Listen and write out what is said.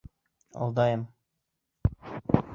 Алдайым!